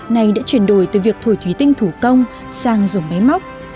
này đã chuyển đổi từ việc thổi thủy tinh thủ công sang dùng máy móc